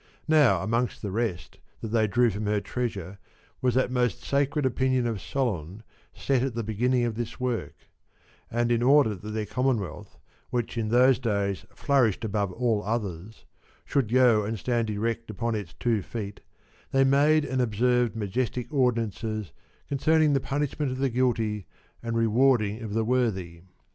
Now amongst the rest that they drew from her treasure was that most sacred opinion of Solon set at the beginning of this work ; and in order that their Commonwealth, which in those days flourished above all others, should go and stand erect upon its two feet they made and observed majestic ordinances concern ing the punishment of the guilty and rewarding of the worthy.